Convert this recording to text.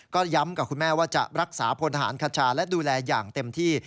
ก็ย้ำกับคุณแม่ว่าจะรักษาพลทหารคชาและดูแลอย่างเต็มที่